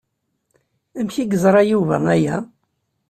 Amek ay yeẓra Yuba aya?